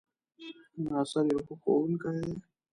ناصر يو ښۀ ښوونکی دی